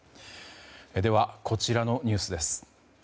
では、こちらのニュースです。